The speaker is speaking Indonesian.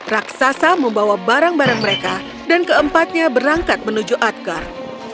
raksasa membawa barang barang mereka dan keempatnya berangkat menuju adgar